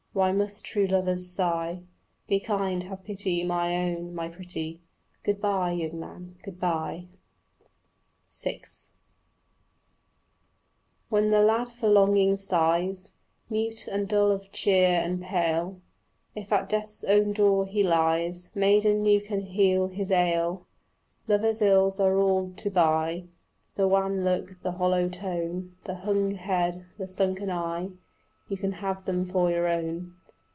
Why must true lovers sigh? Be kind, have pity, my own, my pretty, "Good bye, young man, good bye." VI When the lad for longing sighs, Mute and dull of cheer and pale, If at death's own door he lies, Maiden, you can heal his ail. Lovers' ills are all to buy: The wan look, the hollow tone, The hung head, the sunken eye, You can have them for your own.